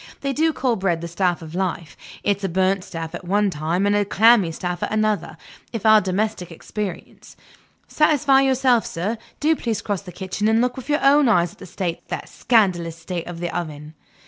They do call bread the staff of life. It's a burnt staff at one time, and a clammy staff at another, in our domestic experience. Satisfy yourself, sir; do please cross the kitchen and look with your own eyes at the state, the scandalous state, of the oven."